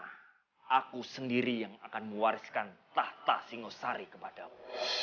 karena aku sendiri yang akan mewariskan tahta singasari kepadamu